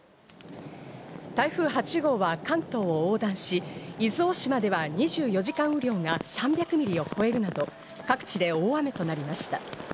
台風８号は関東を横断し、伊豆大島では２４時間雨量が３００ミリを超えるなど、各地で大雨となりました。